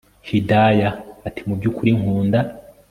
Hidaya atimubyukuri nkunda